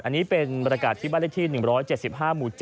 อันนี้เป็นบรรยากาศที่บ้านเลขที่๑๗๕หมู่๗